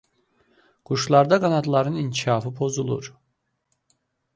Quşlarda qanadların inkişafı pozulur.